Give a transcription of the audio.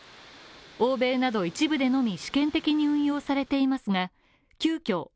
欧米など、一部でのみ試験的に運用されていますが急きょ